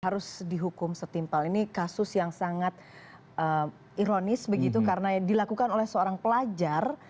harus dihukum setimpal ini kasus yang sangat ironis begitu karena dilakukan oleh seorang pelajar